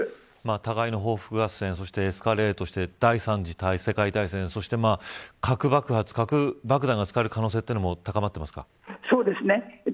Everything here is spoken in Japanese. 互いの報復合戦、そしてエスカレートして第３次世界大戦核爆弾が使われる可能性もそうですね。